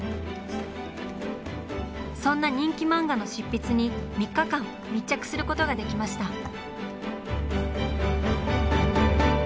そんな人気漫画の執筆に３日間密着することができました。